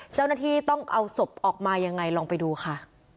เจ้าหน้าที่ต้องเอาศพออกมายังไงลองไปดูค่ะ